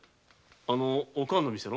あの「おかん」の店の？